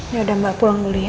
ya udah mbak pulang beli ya